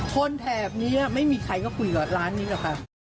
แถบนี้ไม่มีใครก็คุยกับร้านนี้หรอกค่ะ